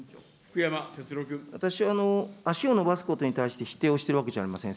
私は、足を延ばすことに対して否定をしているわけじゃありません。